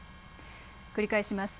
繰り返します。